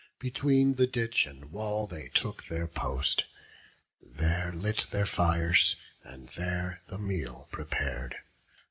Between the ditch and wall they took their post; There lit their fires, and there the meal prepar'd.